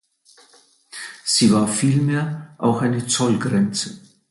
Sie war vielmehr auch eine Zollgrenze.